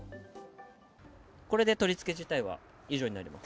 これで取り付け自体は以上になります。